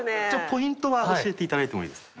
ポイントは教えていただいてもいいですか？